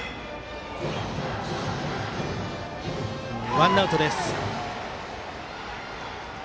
ワンアウトです。